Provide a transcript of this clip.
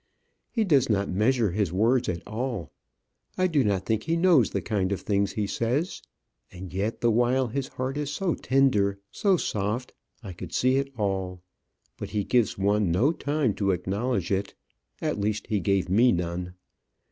He does not measure his words at all. I don't think he knows the kind of things he says. And yet the while his heart is so tender, so soft; I could see it all. But he gives one no time to acknowledge it at least, he gave me none.